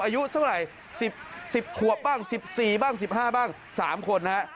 อายุเท่าไรสิบสิบขวบบ้างสิบสี่บ้างสิบห้าบ้างสามคนนะครับ